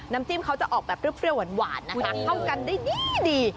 น้ำจิ้มเขาจะออกแบบเปรี้ยวหวานนะคะเข้ากันได้ดี